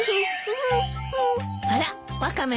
あらワカメ